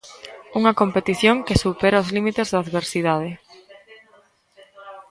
Unha competición que supera os límites da adversidade.